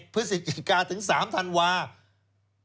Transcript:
พฤศจิกาถึง๓ธันวาคม